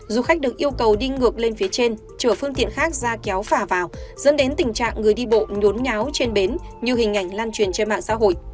du khách được yêu cầu đi ngược lên phía trên chở phương tiện khác ra kéo phà vào dẫn đến tình trạng người đi bộn nháo trên bến như hình ảnh lan truyền trên mạng xã hội